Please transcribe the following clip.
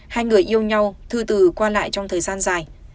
hai người yêu nhau thư từ qua lại trong thời gian dài